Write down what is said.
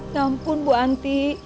ya ampun bu hanti